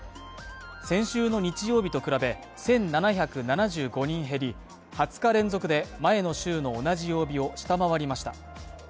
先週の日曜日と比べ１７７５人減り２０日連続で前の週の同じ曜日を下回りました。